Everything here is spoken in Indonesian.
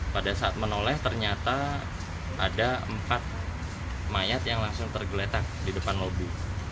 pada saat menoleh ternyata ada empat mayat yang langsung tergeletak di depan lobi